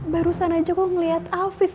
barusan aja kau ngeliat afif